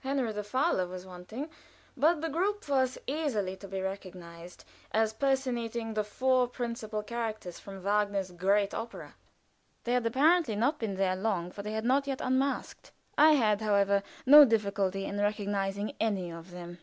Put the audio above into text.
Henry the Fowler was wanting, but the group was easily to be recognized as personating the four principal characters from Wagner's great opera. They had apparently not been there long, for they had not yet unmasked. I had, however, no difficulty in recognizing any of them.